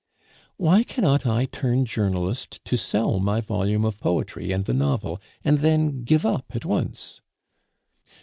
"Why cannot I turn journalist to sell my volume of poetry and the novel, and then give up at once?"